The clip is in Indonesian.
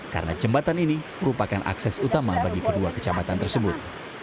karena jembatan ini merupakan akses utama bagi kedua kecamatan tersebut